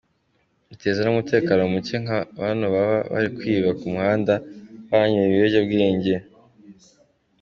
Biteza n’umutekano muke nka bano baba bari kwiba ku muhanda baba banyoye ibiyobyabwenge.